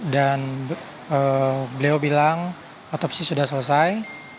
dan beliau bilang otopsi sudah selesai